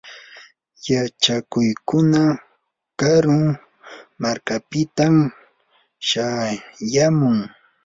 yachakuqkuna karu markapitam shayamun.